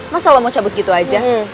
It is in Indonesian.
masa lo mau cabut gitu aja